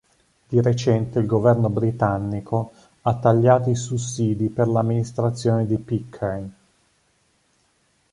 Di recente il governo britannico ha tagliato i sussidi per l'amministrazione di Pitcairn.